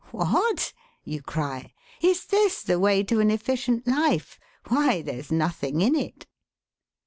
'What?' you cry. 'Is this the way to an efficient life? Why, there's nothing in it!'